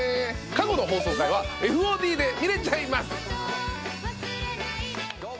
過去の放送回はＦＯＤで見れちゃいます。